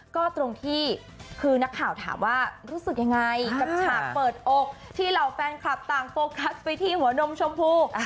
ก็ตรงที่คือนักข่าวถามว่ารู้สึกยังไงกับฉากเปิดอกที่เหล่าแฟนคลับต่างโฟกัสไปที่หัวดมชมพู